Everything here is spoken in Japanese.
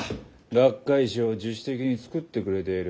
学会誌を自主的に作ってくれている。